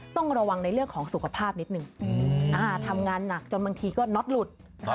ต้องระวังในเรื่องของสุขภาพนิดนึงทำงานหนักจนบางทีก็น็อตหลุด